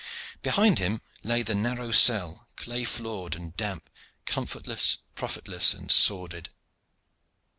Behind him lay the narrow cell, clay floored and damp, comfortless, profitless and sordid.